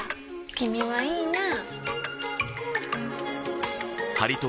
君はいいなぁ。